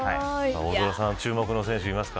大空さん注目の選手いますか。